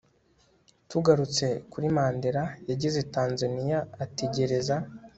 Tugarutse kuri Mandela yageze Tanzania ategereza